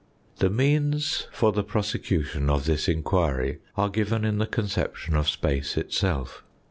The means for the prosecution of this enquiry are given in the conception of space itself.